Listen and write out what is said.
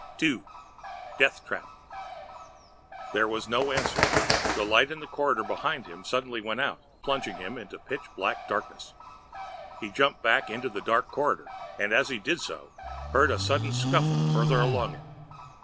2. Death Trap There was no answer. The light in the corridor behind him suddenly went out, plunging him into pitch black darkness. He jumped back into the dark corridor, and as he did so, heard a sudden scuffle further along it.